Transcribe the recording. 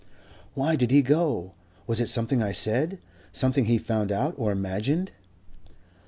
"Why did he go? Was it something I said? something he found out or imagined?"